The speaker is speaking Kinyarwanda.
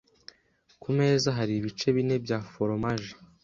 Ku meza hari ibice bine bya foromaje.